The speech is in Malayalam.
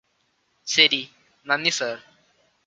ശരി നന്ദി സർ